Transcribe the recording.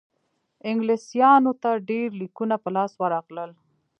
انګلیسیانو ته ډېر لیکونه په لاس ورغلل.